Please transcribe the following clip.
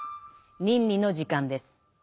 倫理の時間です。